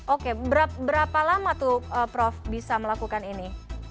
oke berapa lama tuh prof bisa melakukan ini